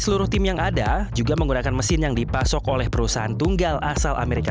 seluruh tim yang ada juga menggunakan mesin yang dipasok oleh perusahaan tunggal asal amerika